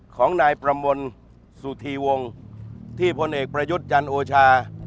ของนายประมลสุธีวงศ์ที่พลเอกประยุทธ์จันทร์โอชา